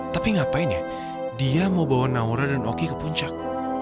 tapi ngapain ya dia mau bawa naura dan oki ke puncak